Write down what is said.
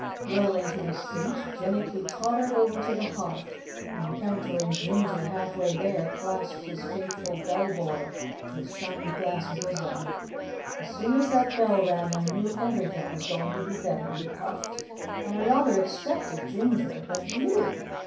Rolling to his feet, Jinnicky tottered over to the hearth and, encountering Ginger half way there, clasped his faithful Bell Boy to his shiny glass bosom. "As soon as that bell rang I knew everything was going to be better," he puffed. "And I rather expected Ginger, but YOU!